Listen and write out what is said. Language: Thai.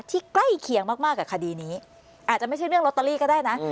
ใกล้เคียงมากกับคดีนี้อาจจะไม่ใช่เรื่องลอตเตอรี่ก็ได้นะ